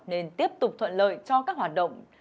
nên tiếp tục thuận lợi cho các hoạt động